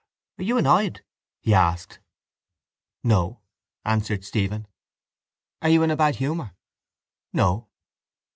—Are you annoyed? he asked. —No, answered Stephen. —Are you in bad humour? —No.